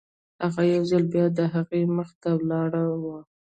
هغه يو ځل بيا د هغه مخې ته ولاړ و.